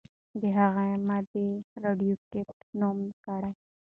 هغې ماده «راډیواکټیف» نوم کړه.